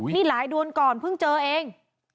นี่หลายเดือนก่อนเพิ่งเจอเอง